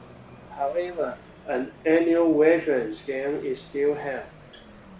However, an annual veterans' game is still held.